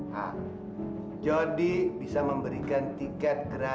ha jody bisa memberikan tiket gratis